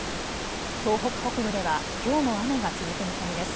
東北北部ではきょうも雨が続く見込みです。